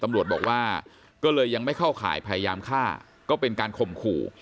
ตำรวจบอกว่าก็เลยยังไม่เข้าข่ายพยายามฆ่าก็เป็นการข่มขู่